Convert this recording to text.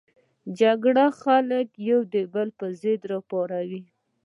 جګړه خلک د یو بل پر ضد راپاروي